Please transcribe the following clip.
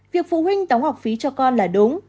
việc phụ huynh đóng học phí cho con là đúng